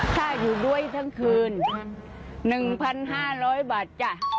ถ้าอยู่ด้วยทั้งคืน๑๕๐๐บาทจ้ะ